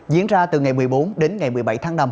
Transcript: diễn ra từ ngày một mươi bốn đến ngày một mươi bảy tháng năm